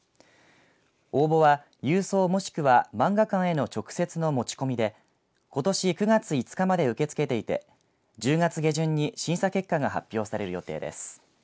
応募は郵送もしくはまんが館への直接の持ち込みでことし９月５日まで受け付けていて１０月下旬に審査結果が発表される予定です。